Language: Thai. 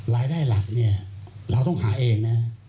รายได้หลักเราต้องหาเองนะครับ